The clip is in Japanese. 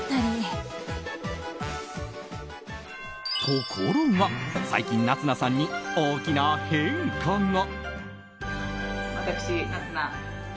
ところが最近夏菜さんに大きな変化が。